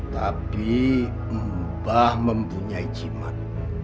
tapi mbah mempunyai jimat